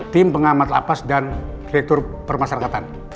tim pengamat lapas dan direktur permasyarakatan